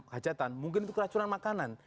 hajatan mungkin itu keracunan makanan